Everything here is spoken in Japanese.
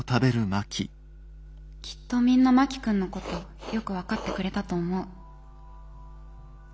きっとみんな真木君のことよく分かってくれたと思う。